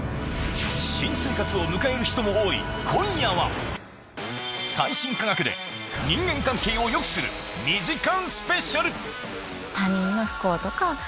新生活を迎える人も多い今夜は最新科学で人間関係をよくする体に出る。